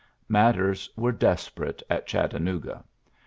Matti were desperate at Ghattanooga.